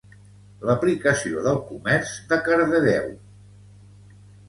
L'aplicació del comerç de Cardedeu